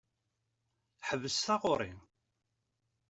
Ḥbes taɣuṛi!